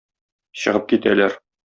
Чыгып китәләр.